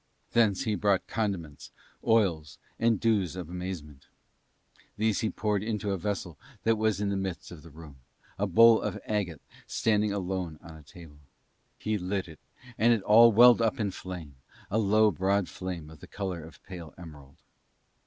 Thence he brought condiments, oils, and dews of amazement. These he poured into a vessel that was in the midst of the room, a bowl of agate standing alone on a table. He lit it and it all welled up in flame, a low broad flame of the colour of pale emerald.